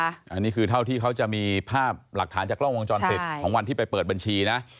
อันนี้คือเท่าที่เขาจะมีภาพหลักฐานจากกล้องวงจรปิดของวันที่ไปเปิดบัญชีนะ